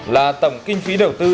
là tổng kinh phí đầu tư